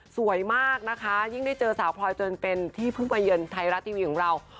สวยมากนะคะยิ่งได้เจอสาวพลอยจนเป็นที่เพิ่งไปเยือนไทยรัฐทีวีของเรา